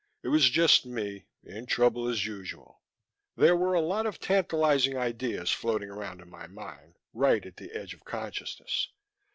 I was just me, in trouble as usual. There were a lot of tantalizing ideas floating around in my mind, right at the edge of consciousness.